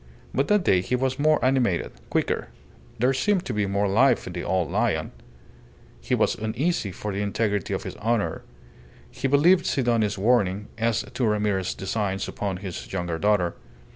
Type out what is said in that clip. But that day he was more animated, quicker; there seemed to be more life in the old lion. He was uneasy for the integrity of his honour. He believed Sidoni's warning as to Ramirez's designs upon his younger daughter.